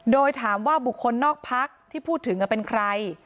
โดยถามว่าบุคคลนอกพักที่พูดถึงเป็นใคร